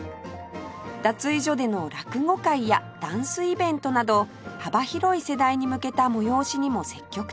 脱衣所での落語会やダンスイベントなど幅広い世代に向けた催しにも積極的